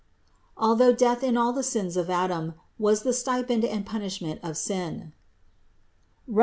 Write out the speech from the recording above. Al though death in all the sons of Adam was the stipend and punishment of sin (Rom.